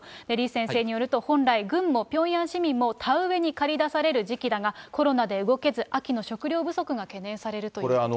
李先生によると、本来軍もピョンヤン市民の田植えに駆り出される時期だが、コロナで動けず、秋の食料不足が懸念されるということです。